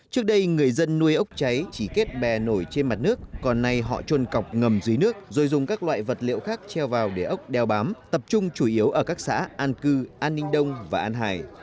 trước đây người dân nuôi ốc cháy chỉ kết bè nổi trên mặt nước còn nay họ trôn cọc ngầm dưới nước rồi dùng các loại vật liệu khác treo vào để ốc đeo bám tập trung chủ yếu ở các xã an cư an ninh đông và an hải